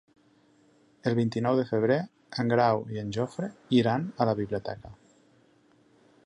El vint-i-nou de febrer en Grau i en Jofre iran a la biblioteca.